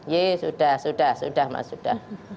ye sudah sudah sudah mas sudah